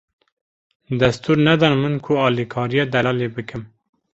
Destûr nedan min ku alikariya Delalê bikim.